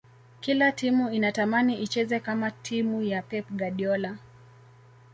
kila timu inatamani icheze kama timu ya pep guardiola